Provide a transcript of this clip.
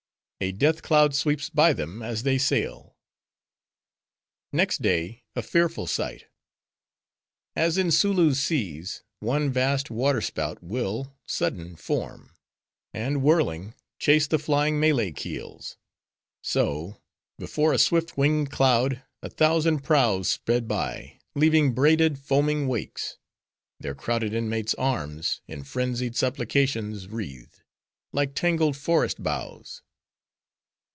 A Death Cloud Sweeps By Them, As They Sail Next day, a fearful sight! As in Sooloo's seas, one vast water spout will, sudden, form: and whirling, chase the flying Malay keels; so, before a swift winged cloud, a thousand prows sped by, leaving braided, foaming wakes; their crowded inmates' arms, in frenzied supplications wreathed; like tangled forest boughs.